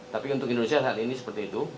tapi untuk indonesia hari ini seperti itu